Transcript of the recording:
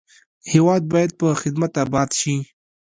هېواد باید په خدمت اباد شي.